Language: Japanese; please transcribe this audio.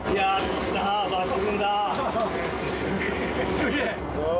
すげえ。